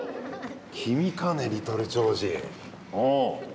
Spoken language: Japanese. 君かねリトル超人。